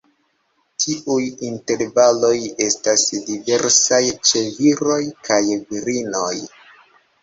Tiuj intervaloj estas diversaj ĉe viroj kaj virinoj.